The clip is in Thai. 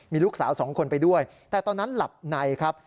มีลูกสาวสองคนไปด้วยแต่ตอนนั้นหลับในครับ